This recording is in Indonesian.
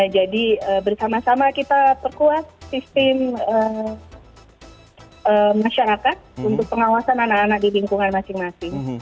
jadi bersama sama kita perkuat sistem masyarakat untuk pengawasan anak anak di lingkungan masing masing